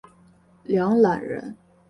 梁览人。